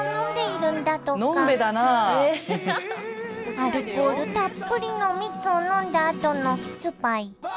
アルコールたっぷりの蜜を飲んだあとのツパイ。